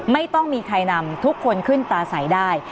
ไม่ต้องมีใครนำทุกคนขึ้นตาใสได้